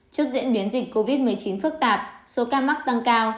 trước diễn biến dịch covid một mươi chín phức tạp số ca mắc tăng cao